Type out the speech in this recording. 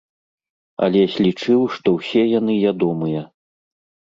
Алесь лічыў, што ўсе яны ядомыя.